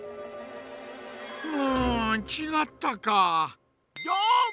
うんちがったか。